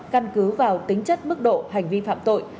căn cứ vào tính chất mức độ hành vi phạm tội